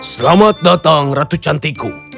selamat datang ratu cantiku